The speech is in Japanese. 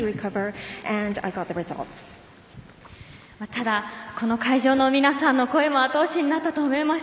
ただ、この会場の皆さんの声もあと押しになったと思います。